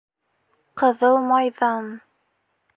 Ҡыҙыл майҙан...